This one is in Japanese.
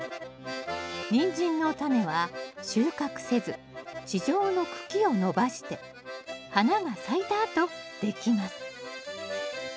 ニンジンのタネは収穫せず地上の茎を伸ばして花が咲いたあとできます